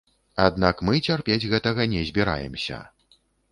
Аднак мы цярпець гэтага не збіраемся.